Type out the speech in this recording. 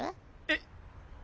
えっ。